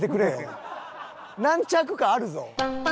何着かあるぞ。